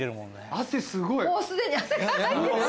汗がすごい。